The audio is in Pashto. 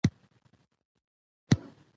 افغانستان کې د هندوکش په اړه زده کړه.